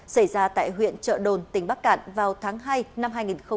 xảy ra tại huyện trợ đồn tỉnh bắc cạn vào tháng hai năm hai nghìn hai mươi hai